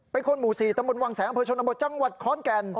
เป็นคนหมู่๔ตำบลวังแสงอำเภอชนบทจังหวัดขอนแก่น